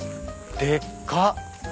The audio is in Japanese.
でっか。